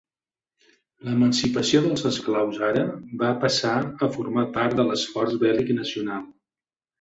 L'emancipació dels esclaus ara va passar a formar part de l'esforç bèl·lic nacional.